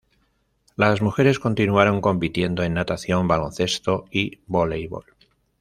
Las mujeres continuaron compitiendo en natación, baloncesto y voleibol.